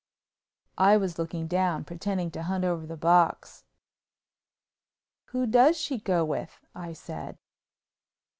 I was looking down, pretending to hunt over the box. "Who does she go with?" I said.